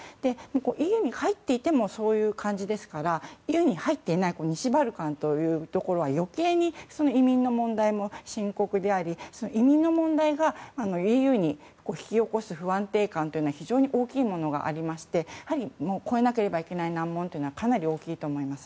ＥＵに入っていてもそういう感じですからＥＵに入っていない西バルカンというところは余計に移民の問題も深刻であり移民の問題がＥＵに引き起こす不安定感というのは非常に大きいものがありましてやはり超えなければいけない難問はかなり大きいと思います。